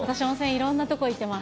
いろんなとこ行ってます。